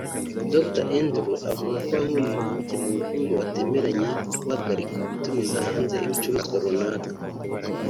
Dr Andrew avuga ko bamwe mu mpuguke mu bukungu batemeranya no guhagarika gutumiza hanze ibicuruzwa runaka